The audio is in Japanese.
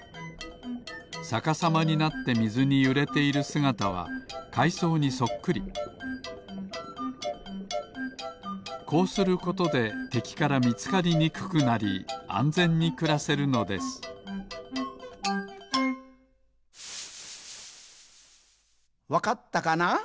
さかさまになってみずにゆれているすがたはかいそうにそっくりこうすることでてきからみつかりにくくなりあんぜんにくらせるのですわかったかな？